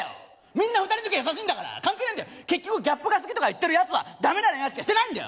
みんな２人の時は優しいんだから関係ないんだよ結局ギャップが好きとか言ってるヤツはダメな恋愛しかしてないんだよ！